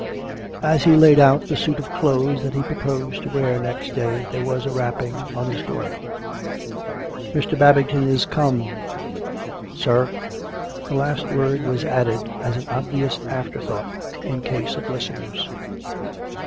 As he laid out the suit of clothes that he proposed to wear next day, there was a rapping on his door. " Mr. Babington is come — sir." (The last word was added as an obvious afterthought, in case of listeners.)